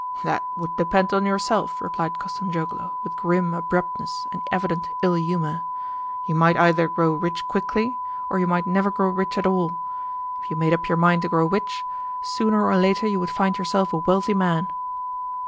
"That would depend on yourself," replied Kostanzhoglo with grim abruptness and evident ill humour. "You might either grow rich quickly or you might never grow rich at all. If you made up your mind to grow rich, sooner or later you would find yourself a wealthy man."